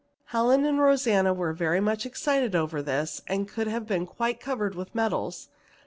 Helen and Rosanna were very much excited over this, and could have been quite covered with medals.